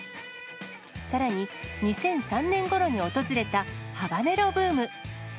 さらに、２００３年ごろに訪れたハバネロブーム。